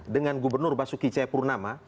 dengan gubernur basuki ceyapurnama